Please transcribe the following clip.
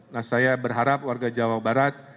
nah saya berharap warga jawa barat